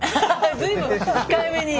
随分控えめに。